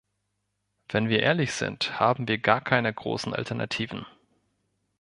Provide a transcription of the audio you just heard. Wenn wir ehrlich sind, haben wir gar keine großen Alternativen.